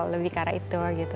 lebih kaya itu